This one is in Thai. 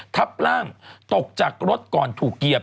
ทับร่างตกจากรถก่อนถูกเหยียบ